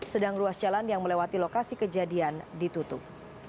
sedang ruas jalan yang melewati lokasi kejadian ditutup